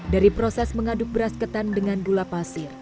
dari proses mengaduk beras ketan dengan gula pasir